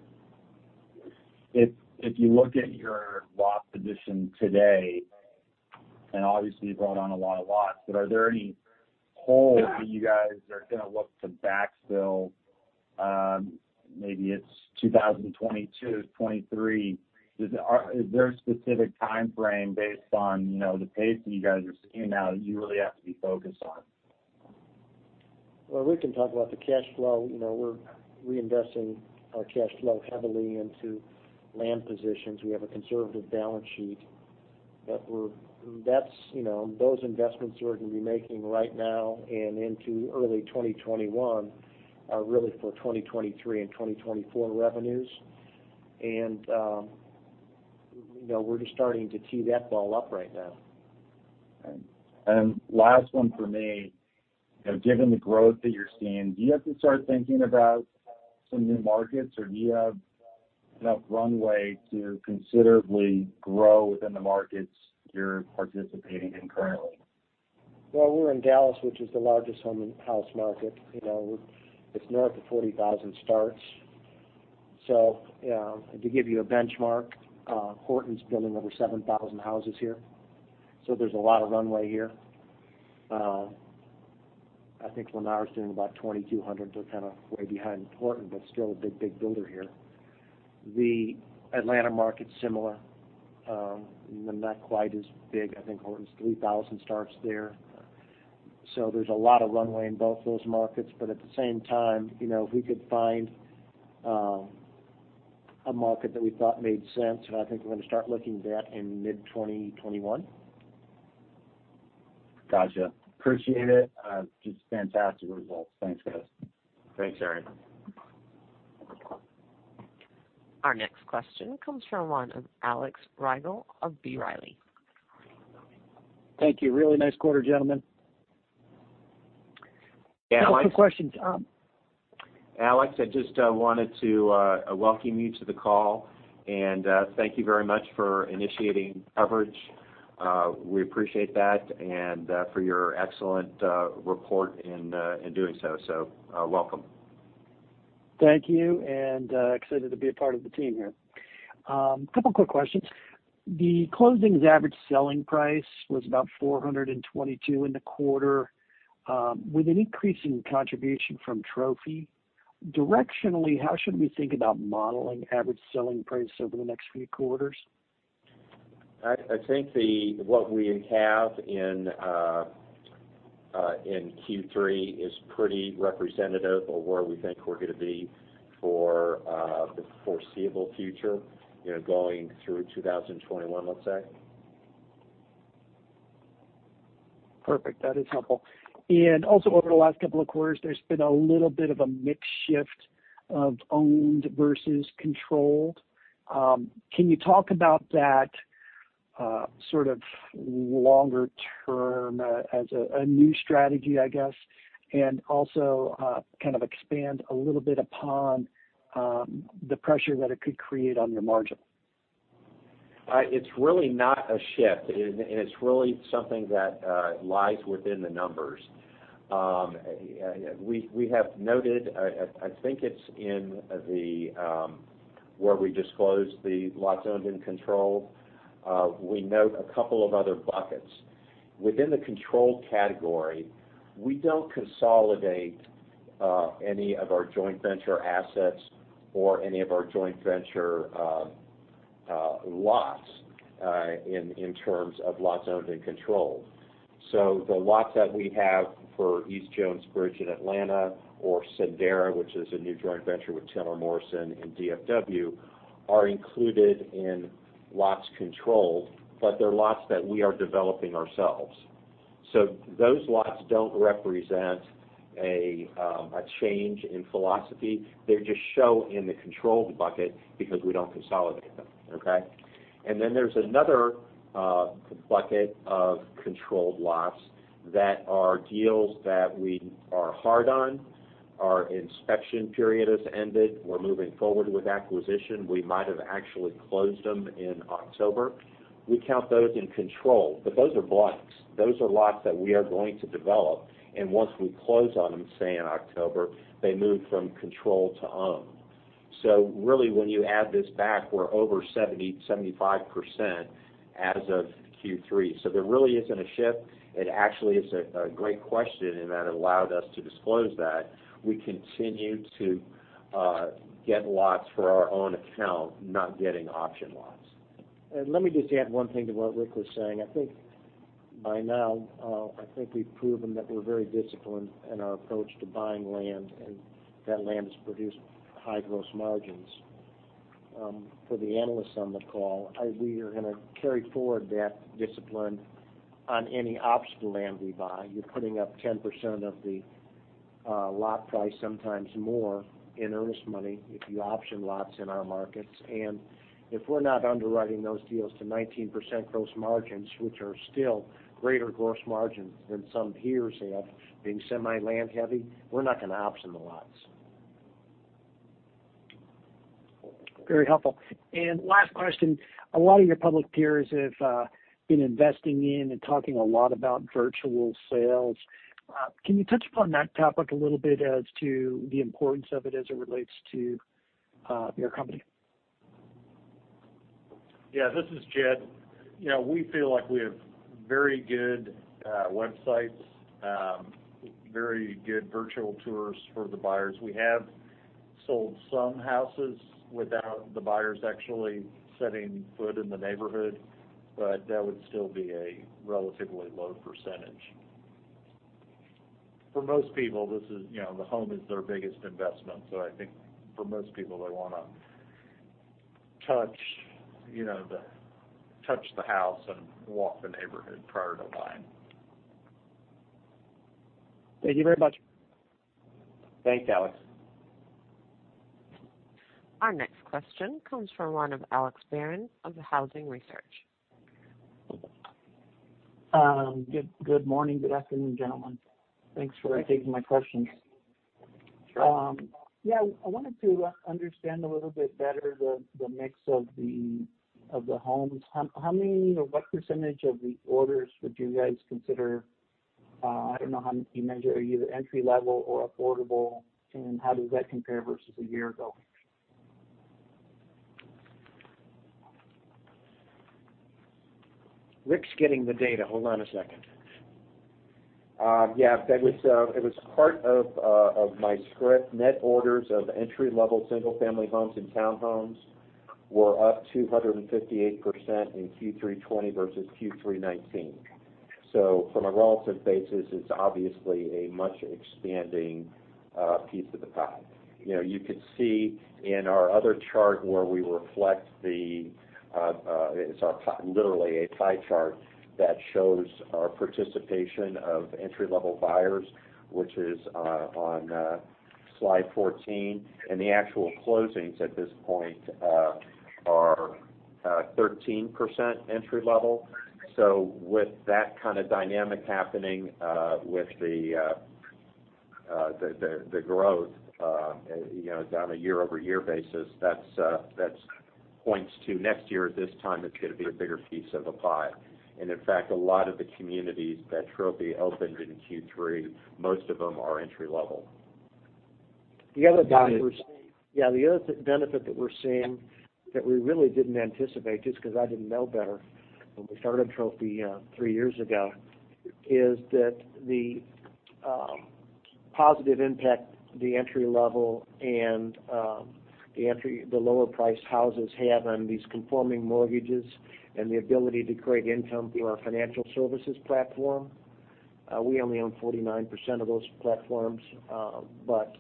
If you look at your lot position today, and obviously you brought on a lot of lots, but are there any holes that you guys are going to look to backfill? Maybe it's 2022, '23. Is there a specific time frame based on the pace that you guys are seeing now that you really have to be focused on? Well, we can talk about the cash flow. We're reinvesting our cash flow heavily into land positions. We have a conservative balance sheet. But those investments we're going to be making right now and into early 2021 are really for 2023 and 2024 revenues. And we're just starting to tee that ball up right now. And last one for me, given the growth that you're seeing, do you have to start thinking about some new markets, or do you have enough runway to considerably grow within the markets you're participating in currently? Well, we're in Dallas, which is the largest home and house market. It's north of 40,000 starts. So to give you a benchmark, Horton's building over 7,000 houses here. So there's a lot of runway here. I think WinR is doing about 2,200. They're kind of way behind Horton, but still a big, big builder here. The Atlanta market's similar. Not quite as big. I think Horton's 3,000 starts there. So there's a lot of runway in both those markets. But at the same time, if we could find a market that we thought made sense, I think we're going to start looking at that in mid-2021. Gotcha. Appreciate it. Just fantastic results. Thanks, guys. Thanks, Aaron. Our next question comes from one of Alex Rygel of B Riley. Thank you. Really nice quarter, gentlemen. Yeah. My questions. Alex, I just wanted to welcome you to the call. And thank you very much for initiating coverage. We appreciate that and for your excellent report in doing so. So welcome. Thank you. And excited to be a part of the team here. A couple of quick questions. The closing's average selling price was about 422 in the quarter with an increasing contribution from Trophy. Directionally, how should we think about modeling average selling price over the next few quarters? I think what we have in Q3 is pretty representative of where we think we're going to be for the foreseeable future going through 2021, let's say. Perfect. That is helpful. And also, over the last couple of quarters, there's been a little bit of a mixed shift of owned versus controlled. Can you talk about that sort of longer term as a new strategy, I guess, and also kind of expand a little bit upon the pressure that it could create on your margin? It's really not a shift. And it's really something that lies within the numbers. We have noted, I think it's in the where we disclose the lots owned and controlled. We note a couple of other buckets. Within the controlled category, we don't consolidate any of our joint venture assets or any of our joint venture lots in terms of lots owned and controlled. So the lots that we have for East Jones Bridge in Atlanta or Sendera, which is a new joint venture with Tiller Morrison in DFW, are included in lots controlled, but they're lots that we are developing ourselves. So those lots don't represent a change in philosophy. They're just show in the controlled bucket because we don't consolidate them. Okay? And then there's another bucket of controlled lots that are deals that we are hard on. Our inspection period has ended. We're moving forward with acquisition. We might have actually closed them in October. We count those in control, but those are blanks. Those are lots that we are going to develop. And once we close on them, say in October, they move from controlled to owned. So really, when you add this back, we're over 70, 75 percent as of Q3. So there really isn't a shift. It actually is a great question in that it allowed us to disclose that. We continue to get lots for our own account, not getting option lots. And let me just add one thing to what Rick was saying. I think by now, I think we've proven that we're very disciplined in our approach to buying land, and that land has produced high gross margins. For the analysts on the call, we are going to carry forward that discipline on any option land we buy. You're putting up 10% of the lot price, sometimes more, in earnest money if you option lots in our markets. And if we're not underwriting those deals to 19% gross margins, which are still greater gross margins than some peers have being semi-land heavy, we're not going to option the lots. Very helpful. And last question. A lot of your public peers have been investing in and talking a lot about virtual sales. Can you touch upon that topic a little bit as to the importance of it as it relates to your company? Yeah. This is Jed. We feel like we have very good websites, very good virtual tours for the buyers. We have sold some houses without the buyers actually setting foot in the neighborhood, but that would still be a relatively low percentage. For most people, the home is their biggest investment. So I think for most people, they want to touch the house and walk the neighborhood prior to buying. Thank you very much. Thanks, Alex. Our next question comes from one of Alex Barron of Housing Research. Good morning. Good afternoon, gentlemen. Thanks for taking my questions. Yeah. I wanted to understand a little bit better the mix of the homes. How many or what percentage of the orders would you guys consider? I don't know how you measure either entry-level or affordable, and how does that compare versus a year ago? Rick's getting the data. Hold on a second. Yeah. It was part of my script. Net orders of entry-level single-family homes and townhomes were up 258% in Q3 '20 versus Q3 '19. So from a relative basis, it's obviously a much expanding piece of the pie. You could see in our other chart where we reflect the it's literally a pie chart that shows our participation of entry-level buyers, which is on slide 14. And the actual closings at this point are 13% entry-level. So with that kind of dynamic happening with the growth down a year-over-year basis, that points to next year, at this time, it's going to be a bigger piece of the pie. And in fact, a lot of the communities that Trophy opened in Q3, most of them are entry-level. The other benefit we're seeing yeah, the other benefit that we're seeing that we really didn't anticipate just because I didn't know better when we started Trophy three years ago is that the positive impact the entry-level and the lower-priced houses have on these conforming mortgages and the ability to create income through our financial services platform. We only own 49% of those platforms, but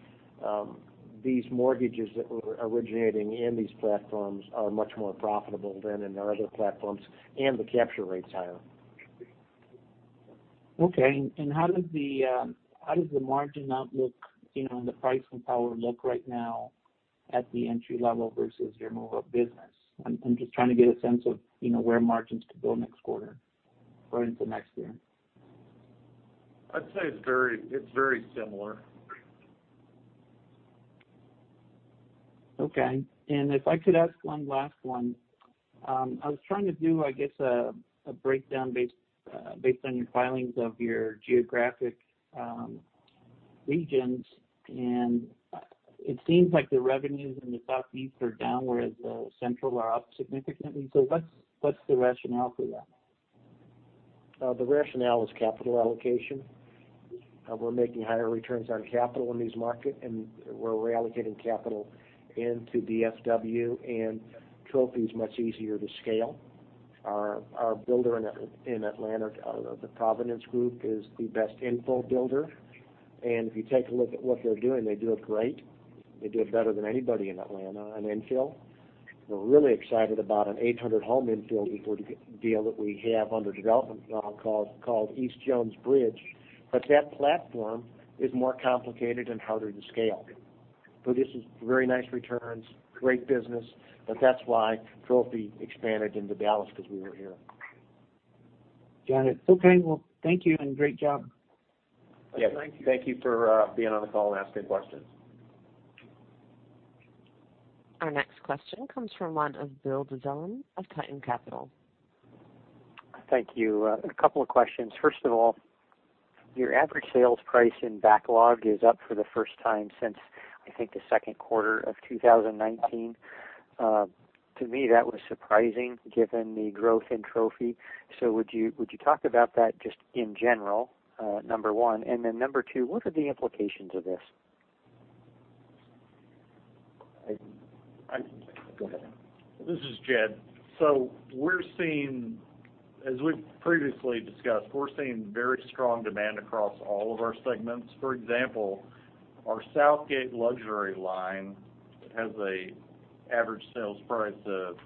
these mortgages that were originating in these platforms are much more profitable than in our other platforms, and the capture rate's higher. Okay. And how does the margin outlook and the price and power look right now at the entry-level versus your move-up business? I'm just trying to get a sense of where margins could go next quarter or into next year. I'd say it's very similar. Okay. And if I could ask one last one, I was trying to do, I guess, a breakdown based on your filings of your geographic regions. And it seems like the revenues in the Southeast are down, whereas the Central are up significantly. So what's the rationale for that? The rationale is capital allocation. We're making higher returns on capital in these markets, and we're reallocating capital into DFW, and Trophy is much easier to scale. Our builder in Atlanta, the Providence Group, is the best infill builder. And if you take a look at what they're doing, they do it great. They do it better than anybody in Atlanta on infill. We're really excited about an 800-home infill deal that we have under development called East Jones Bridge. But that platform is more complicated and harder to scale. But this is very nice returns, great business, but that's why Trophy expanded into Dallas because we were here. John, it's okay. Well, thank you and great job. Thank you for being on the call and asking questions. Our next question comes from one of Bill Dzillum of Cutton Capital. Thank you. A couple of questions. First of all, your average sales price in backlog is up for the first time since I think the second quarter of 2019. To me, that was surprising given the growth in Trophy. So would you talk about that just in general, number one? And then number two, what are the implications of this? This is Jed. So as we've previously discussed, we're seeing very strong demand across all of our segments. For example, our Southgate luxury line has an average sales price of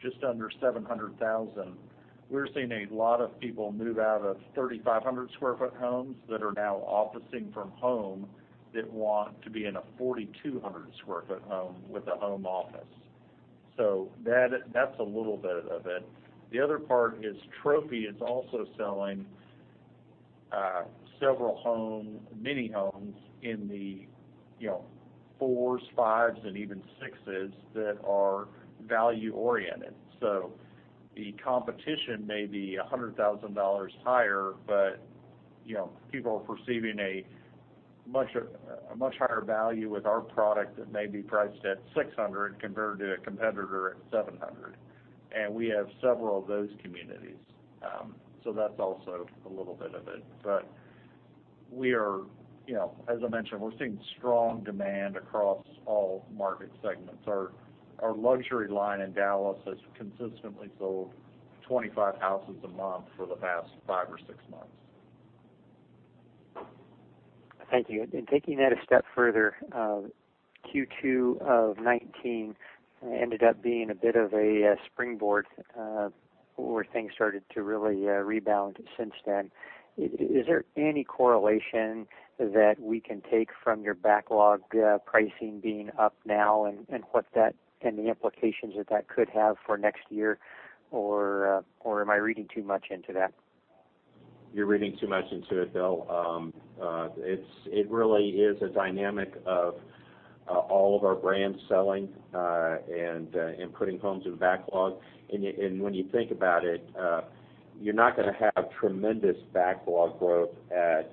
just under 700,000. We're seeing a lot of people move out of 3,500-square-foot homes that are now officing from home that want to be in a 4,200-square-foot home with a home office. So that's a little bit of it. The other part is Trophy is also selling several mini homes in the fours, fives, and even sixes that are value-oriented. So the competition may be $100,000 higher, but people are perceiving a much higher value with our product that may be priced at 600 compared to a competitor at 700. And we have several of those communities. So that's also a little bit of it. But as I mentioned, we're seeing strong demand across all market segments. Our luxury line in Dallas has consistently sold 25 houses a month for the past five or six months. Thank you. And taking that a step further, Q2 of '19 ended up being a bit of a springboard where things started to really rebound since then. Is there any correlation that we can take from your backlog pricing being up now and the implications that that could have for next year, or am I reading too much into that? You're reading too much into it, Bill. It really is a dynamic of all of our brands selling and putting homes in backlog. And when you think about it, you're not going to have tremendous backlog growth at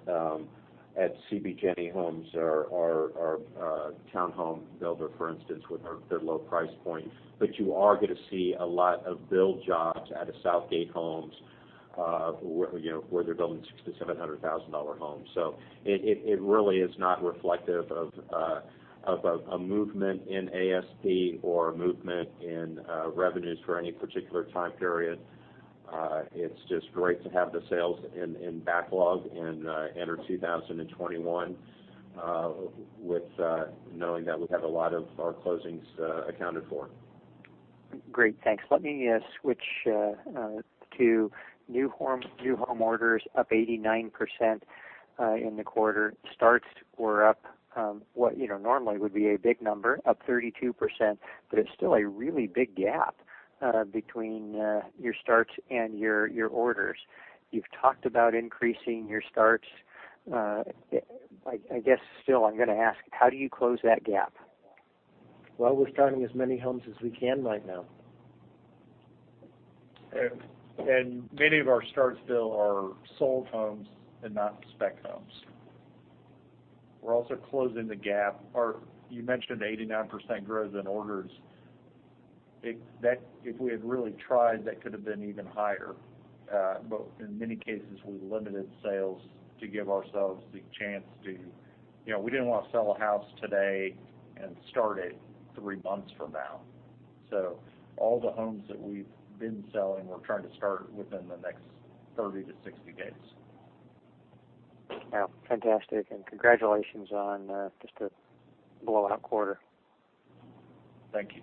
CB Jenny Homes or Townhome Builder, for instance, with their low price point. But you are going to see a lot of build jobs at the Southgate Homes where they're building 60 to 700 thousand dollar homes. So it really is not reflective of a movement in ASP or a movement in revenues for any particular time period. It's just great to have the sales in backlog and enter 2021 knowing that we have a lot of our closings accounted for. Great. Thanks. Let me switch to new home orders up 89% in the quarter. Starts were up what normally would be a big number, up 32%, but it's still a really big gap between your starts and your orders. You've talked about increasing your starts. I guess still, I'm going to ask, how do you close that gap? Well, we're starting as many homes as we can right now. And many of our starts, Bill, are sold homes and not spec homes. We're also closing the gap. You mentioned 89% growth in orders. If we had really tried, that could have been even higher. But in many cases, we limited sales to give ourselves the chance to we didn't want to sell a house today and start it three months from now. So all the homes that we've been selling, we're trying to start within the next 30 to 60 days. Wow. Fantastic. And congratulations on just a blowout quarter. Thank you.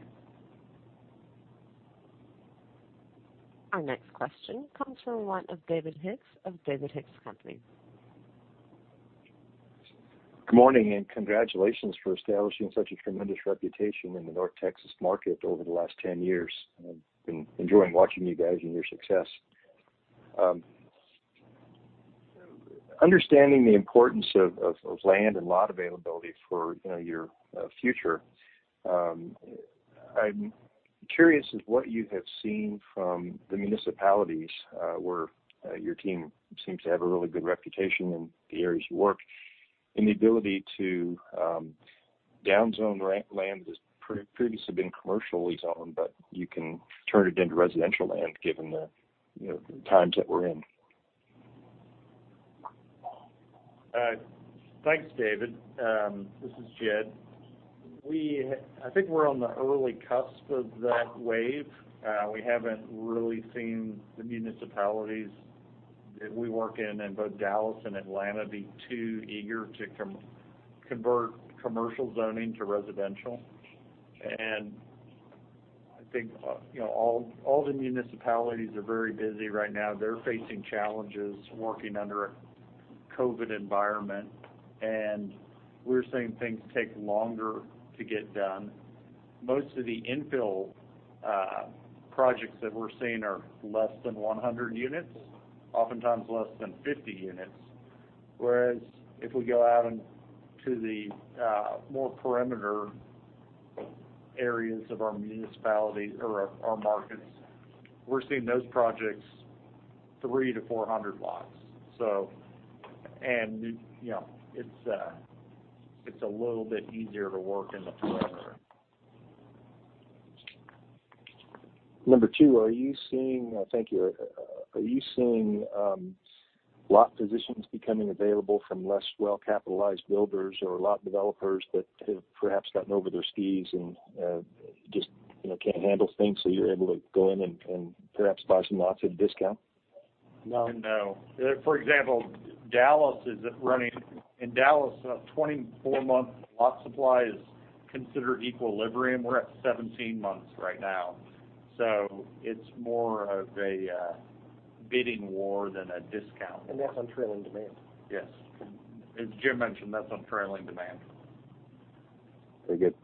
Our next question comes from one of David Hicks of David Hicks Company. Good morning and congratulations for establishing such a tremendous reputation in the North Texas market over the last 10 years. I've been enjoying watching you guys and your success. Understanding the importance of land and lot availability for your future, I'm curious as what you have seen from the municipalities where your team seems to have a really good reputation in the areas you work and the ability to downzone land that has previously been commercially zoned, but you can turn it into residential land given the times that we're in. Thanks, David. This is Jed. I think we're on the early cusp of that wave. We haven't really seen the municipalities that we work in, in both Dallas and Atlanta, be too eager to convert commercial zoning to residential. And I think all the municipalities are very busy right now. They're facing challenges working under a COVID environment, and we're seeing things take longer to get done. Most of the infill projects that we're seeing are less than 100 units, oftentimes less than 50 units, whereas if we go out into the more perimeter areas of our municipality or our markets, we're seeing those projects 3 to 400 lots. And it's a little bit easier to work in the perimeter. Number two, are you seeing—thank you—are you seeing lot positions becoming available from less well-capitalized builders or lot developers that have perhaps gotten over their skis and just can't handle things so you're able to go in and perhaps buy some lots at a discount? No. No. For example, Dallas is running—in Dallas, a 24-month lot supply is considered equilibrium. We're at 17 months right now. So it's more of a bidding war than a discount. And that's on trailing demand. Yes. As Jim mentioned, that's on trailing demand. Very good.